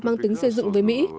mang tính xây dựng với mỹ